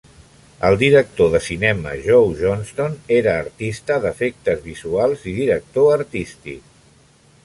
El director de cinema Joe Johnston era artista d'efectes visuals i director artístic.